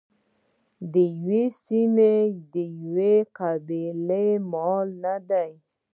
د یوې سیمې یوې قبیلې مال نه دی.